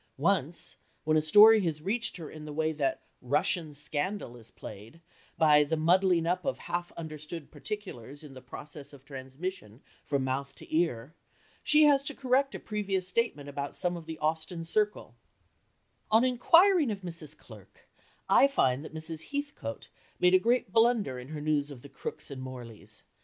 Once, when a story has reached her in the way that "Russian Scandal" is played, by the muddling up of half understood particulars in the process of transmission from mouth to ear, she has to correct a previous statement about some of the Austen circle "On inquiring of Mrs. Clerk, I find that Mrs. Heathcote made a great blunder in her news of the Crooks and Morleys.